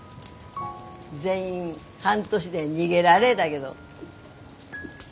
全員半年で逃げられだげど。